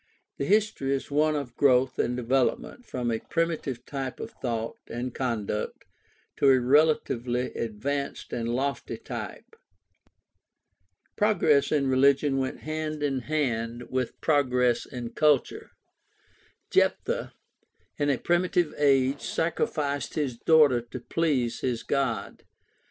The history is one of growth or development from a primitive type of thought and conduct to a relatively advanced and lofty type. Progress in religion went hand in hand with progress in culture. Jephthah in a primitive age sacrificed his daughter to please his God.